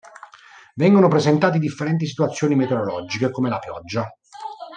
Vengono presentate differenti situazioni meteorologiche come la pioggia.